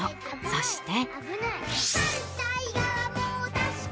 そして。